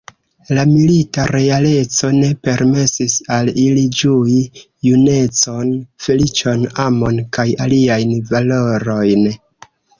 La milita realeco ne permesis al ili ĝui junecon, feliĉon, amon kaj aliajn valorojn.